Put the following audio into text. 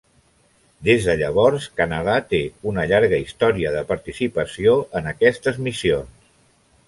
Des de llavors, Canadà té una llarga història de participació en aquestes missions.